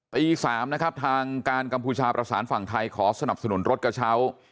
ตี๓นะครับทางการกัมพูชาประสานฝั่งไทยขอสนับสนุนรถกระเช้า